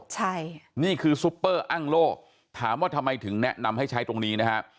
ใช่นี่คือซุปเปอร์อ้างโล่ถามว่าทำไมถึงแนะนำให้ใช้ตรงนี้นะฮะ